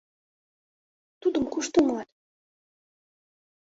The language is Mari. — Тудым кушто муат?